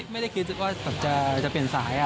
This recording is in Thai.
ไม่ได้คิดว่าจะเปลี่ยนสาย